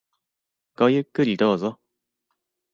ごゆっくりどうぞ。